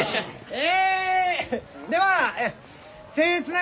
え。